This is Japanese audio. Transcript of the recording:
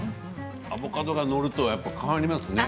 アボカドが載ると変わりますね。